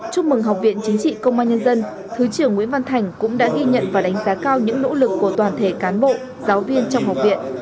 chúc mừng học viện chính trị công an nhân dân thứ trưởng nguyễn văn thành cũng đã ghi nhận và đánh giá cao những nỗ lực của toàn thể cán bộ giáo viên trong học viện